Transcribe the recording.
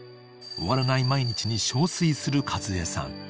［終わらない毎日に憔悴する和枝さん］